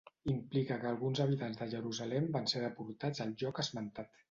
Implica que alguns habitants de Jerusalem van ser deportats al lloc esmentat.